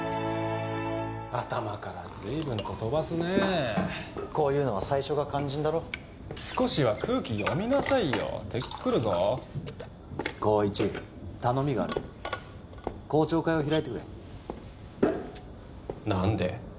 頭から随分と飛ばすねこういうのは最初が肝心だろ少しは空気読みなさいよ敵つくるぞ紘一頼みがある公聴会を開いてくれ何で？